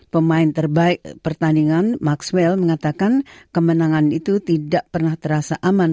pemain terbaik pertandingan maxwell mengatakan kemenangan itu tidak pernah terasa aman